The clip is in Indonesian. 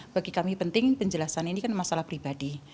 bagi kami penting penjelasan ini kan masalah pribadi